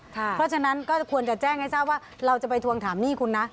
เพราะฉะนั้นก็ควรจะแจ้งให้ทราบว่าเราจะไปทวงถามหนี้คุณนะ